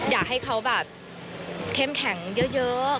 อยากให้เขาแบบเข้มแข็งเยอะ